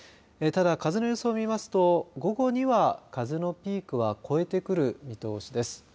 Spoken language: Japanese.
ただ、風の予想を見ますと午後には風のピークは越えてくる見通しです。